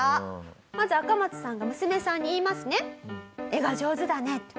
まずアカマツさんが娘さんに言いますね。